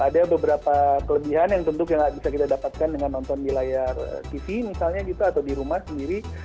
ada beberapa kelebihan yang tentu gak bisa kita dapatkan dengan nonton di layar tv misalnya gitu atau di rumah sendiri